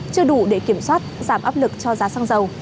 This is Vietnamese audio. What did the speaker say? chưa đủ để kiểm soát giảm áp lực cho giá xăng dầu